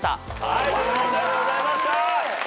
という問題でございました！